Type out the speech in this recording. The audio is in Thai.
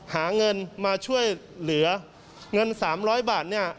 หาเงินมาช่วยเหลือเงินสามร้อยบาทเนี้ย